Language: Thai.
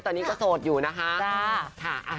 ตอนนี้ก็โสดอยู่นะคะ